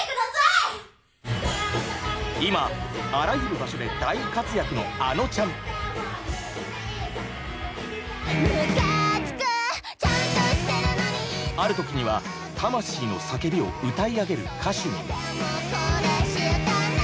今あらゆる場所で大活躍のあのちゃん！ムカつくちゃんとしてるのにある時には魂の叫びを歌い上げる歌手に。